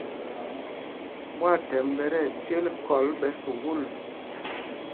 Ɓwaathɛmb ɓɛ tí ɛcêl kɔl ɓɛ̌ sukûl.